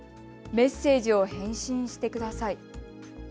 メッセージを返信してください。